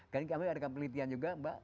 kalian kan ada penelitian juga mbak